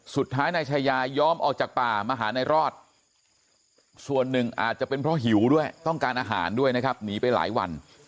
สุดท้ายนายชายายอมออกจากป่ามาหานายรอดส่วนหนึ่งอาจจะเป็นเพราะหิวด้วยต้องการอาหารด้วยนะครับหนีไปหลายวัน